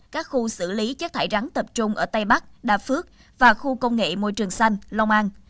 các khu xử lý chất thải rắn tập trung ở tây bắc đà phước và khu công nghệ môi trường xanh long an